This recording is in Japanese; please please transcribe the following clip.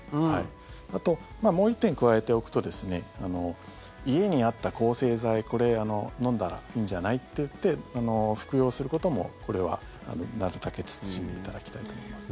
あと、もう１点加えておくと家にあった抗生剤これ、飲んだらいいんじゃない？っていって服用することもこれはなるたけ慎んでいただきたいと思いますね。